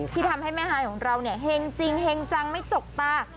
ที่ทำให้แม่ฮายของเราเนี่ยเห็งจริงเฮงจังไม่จกตา